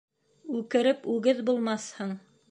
Үкереп үгеҙ булмаҫһың